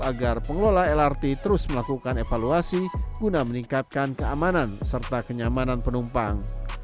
agar pengelola lrt terus melakukan evaluasi guna meningkatkan keamanan serta kenyamanan penumpang